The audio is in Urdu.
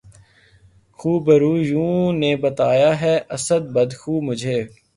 خوبرویوں نے بنایا ہے اسد بد خو مجھے